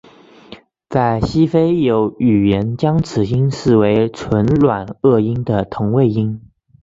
在西非亦有语言将此音视为唇软腭音的同位音。